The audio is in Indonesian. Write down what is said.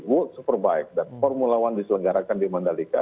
world superbike dan formulawan diselenggarakan di mandalika